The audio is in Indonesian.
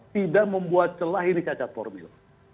tidak membuat celah ini cacat formil